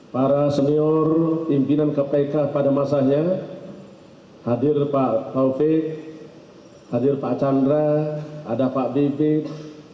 para senior pimpinan kpk pada masanya hadir pak taufik hadir pak chandra ada pak bibit